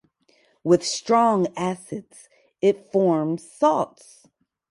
With strong acids, it forms salts.